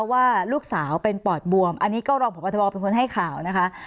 ว่าลูกสาวเป็นปอดบวมอันนี้ก็รองพบทบเป็นคนให้ข่าวนะคะ